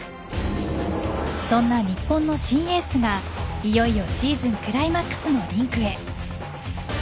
そんな日本のシン・エースがいよいよシーズンクライマックスのリンクへ。